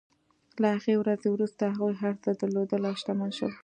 له هغې ورځې وروسته هغوی هر څه درلودل او شتمن شول.